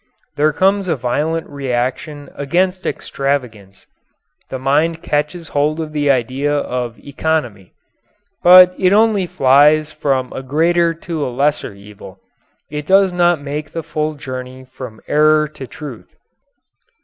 There comes a violent reaction against extravagance the mind catches hold of the idea of "economy." But it only flies from a greater to a lesser evil; it does not make the full journey from error to truth.